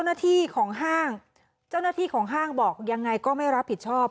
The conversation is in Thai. แล้วถามเจ้านาธิของห้างบอกยังไงก็ไม่รับผิดชอบ